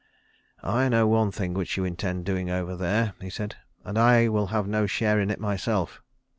"I know one thing which you intend doing over there," he said, "and I will have no share in it myself.